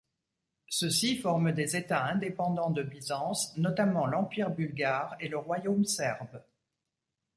Ceux-ci forment des États indépendants de Byzance, notamment l'Empire bulgare et le Royaume serbe.